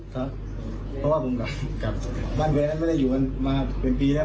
ครับเพราะว่าผมกลับบ้านไปแล้วไม่ได้อยู่กันมาเป็นปีแล้ว